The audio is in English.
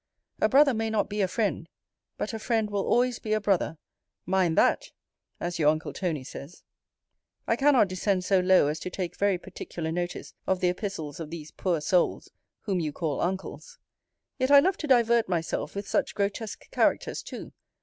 A brother may not be a friend: but a friend will always be a brother mind that, as your uncle Tony says! I cannot descend so low, as to take very particular notice of the epistles of these poor souls, whom you call uncles. Yet I love to divert myself with such grotesque characters too.